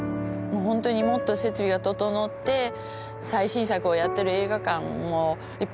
本当にもっと設備が整って最新作をやってる映画館もいっぱいありますから。